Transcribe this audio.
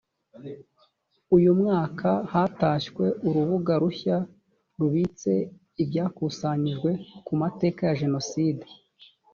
uyu mwaka hatashywe urubuga rushya rubitse ibyakusanyijwe ku mateka ya jenoside